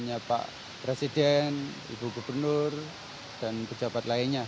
hanya pak presiden ibu gubernur dan pejabat lainnya